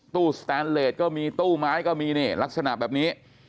สแตนเลสก็มีตู้ไม้ก็มีนี่ลักษณะแบบนี้